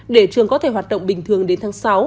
để trường có thể hoạt động bình thường đến tháng sáu